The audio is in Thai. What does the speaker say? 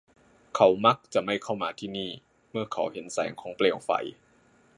เขามักจะไม่เข้ามาที่นี่เมื่อเขาเห็นแสงของเปลวไฟ